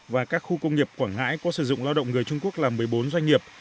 và các khu công nghiệp quảng ngãi có sử dụng lao động người trung quốc là một mươi bốn doanh nghiệp